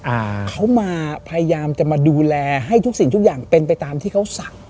อ่าเขามาพยายามจะมาดูแลให้ทุกสิ่งทุกอย่างเป็นไปตามที่เขาสั่ง